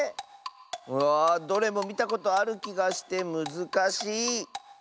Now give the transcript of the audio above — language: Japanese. うわどれもみたことあるきがしてむずかし。